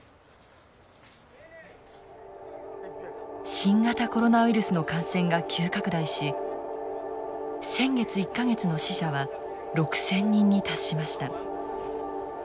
新型コロナウイルスの感染が急拡大し先月１か月の死者は６，０００人に達しました。